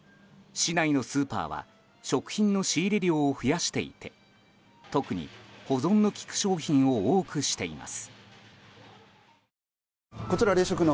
市内のスーパーは食品の仕入れ量を増やしていて特に保存のきく商品を多くしています。